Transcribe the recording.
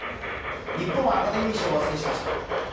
日本アカデミー賞は制しました。